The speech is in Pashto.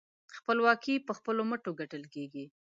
خپلواکي په خپلو مټو ګټل کېږي.